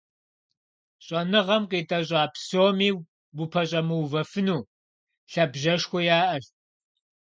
ЩӀэныгъэм къитӀэщӀа псоми упэщӀэмыувэфыну, лъабжьэшхуэ яӀэщ.